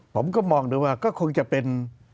ผมก็มองดูว่าก็คงจะเป็น